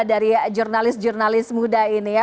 dari jurnalis jurnalis muda ini ya